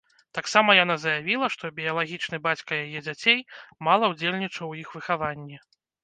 Таксама яна заявіла, што біялагічны бацька яе дзяцей мала ўдзельнічаў у іх выхаванні.